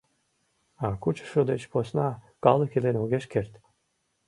А кучышо деч посна калык илен огеш керт.